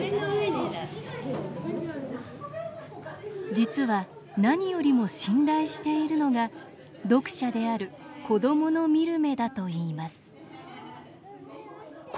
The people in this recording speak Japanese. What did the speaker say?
実は何よりも信頼しているのが読者である子どもの見る目だといいます